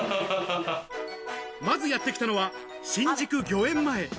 まずやってきたのは新宿御苑前。